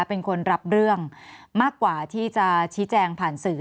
เป็นคนรับเรื่องมากกว่าที่จะชี้แจงผ่านสื่อ